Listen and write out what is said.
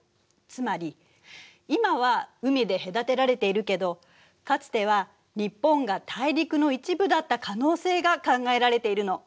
つまり今は海で隔てられているけどかつては日本が大陸の一部だった可能性が考えられているの。